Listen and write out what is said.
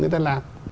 người ta làm